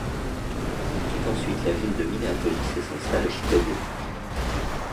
Il quitte ensuite la ville de Minneapolis et s'installe à Chicago.